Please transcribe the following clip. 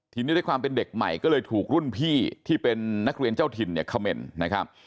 ทีนี้ด้วยความเป็นเด็กใหม่ก็เลยถูกรุ่นพี่ที่เป็นนักเรียนเจ้าถิ่นเนี่ยเขม่นนะครับ